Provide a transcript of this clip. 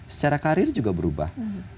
secara karir juga berubah